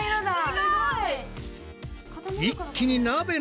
すごい！